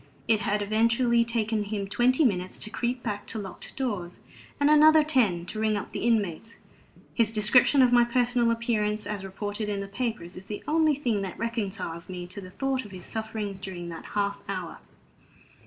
It had eventually taken him twenty minutes to creep back to locked doors, and another ten to ring up the inmates. His description of my personal appearance, as reported in the papers, is the only thing that reconciles me to the thought of his sufferings during that half hour.